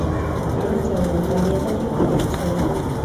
আরে চলো, দাঁড়িয়ে দাঁড়িয়ে কি দেখছো?